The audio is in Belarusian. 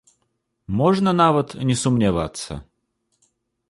Можна нават не сумнявацца.